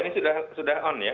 ini sudah on ya sudah live